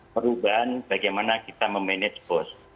perubahan bagaimana kita memanage bos